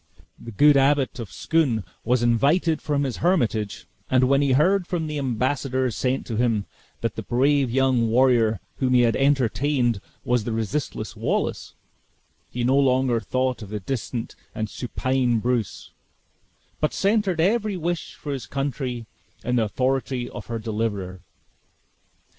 The good Abbot of Scone was invited from his hermitage; and when he heard from the embassadors sent to him, that the brave young warrior whom he had entertained was the resistless Wallace, he no longer thought of the distant and supine Bruce, but centered every wish for his country in the authority of her deliverer.